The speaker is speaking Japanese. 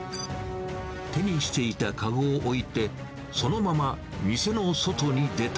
手にしていた籠を置いて、そのまま店の外に出た。